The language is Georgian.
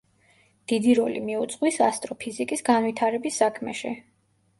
დიდი როლი მიუძღვის ასტროფიზიკის განვითარების საქმეში.